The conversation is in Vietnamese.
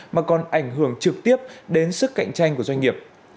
mà còn ảnh hưởng trực tiếp đến sức cạnh tranh của doanh nghiệp